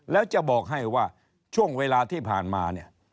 แล้วจะบอกให้ว่าช่วงเวลาที่ผ่านมาเนี่ย